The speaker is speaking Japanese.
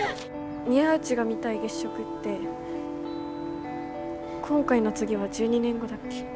宮内が見たい月食って今回の次は１２年後だっけ？